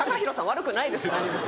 悪くないです何も。